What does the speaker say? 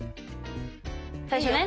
最初ね。